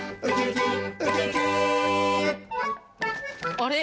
あれ？